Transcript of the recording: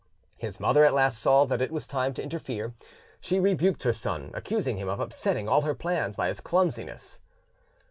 His mother at last saw that it was time to interfere: she rebuked her son, accusing him of upsetting all her plans by his clumsiness.